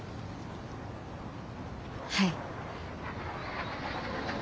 はい。